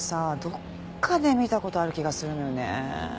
どっかで見た事ある気がするのよねえ。